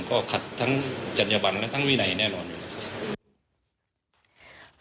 ก็ขัดทั้งจัญญบันและทั้งวินัยแน่นอน